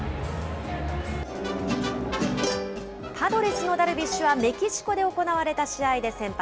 パドレスのダルビッシュは、メキシコで行われた試合で先発。